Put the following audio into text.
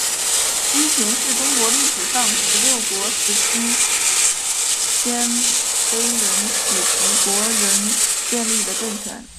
西秦是中国历史上十六国时期鲜卑人乞伏国仁建立的政权。